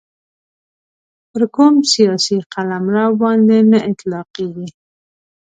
پر کوم سیاسي قلمرو باندي نه اطلاقیږي.